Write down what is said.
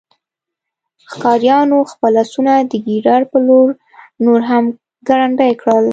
ښکاریانو خپل آسونه د ګیدړ په لور نور هم ګړندي کړل